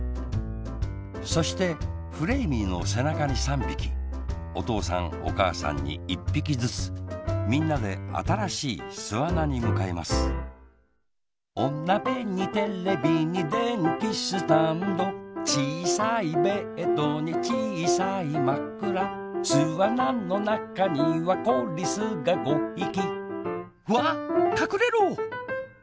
そしてフレーミーのせなかに３びきおとうさんおかあさんに１ぴきずつみんなであたらしいすあなにむかいますおなべにテレビにでんきスタンドちいさいベッドにちいさいまくらすあなのなかにはこリスが５ひきわっかくれろ！